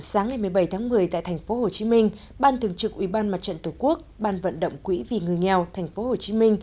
sáng ngày một mươi bảy tháng một mươi tại tp hcm ban thường trực ubnd tổ quốc ban vận động quỹ vì người nghèo tp hcm